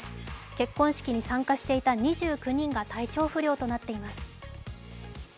結婚式に参加していた２９人が体調不良となっています。